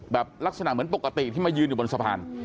ลักษณะเหมือนปกติที่มายืนอยู่บนสะพาน